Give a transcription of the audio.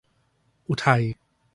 อุทัย